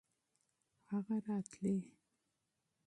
هغه راتلی .